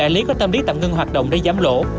lý tạm ngưng hoạt động để giám lộ